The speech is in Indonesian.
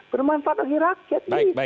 bermanfaat bagi rakyat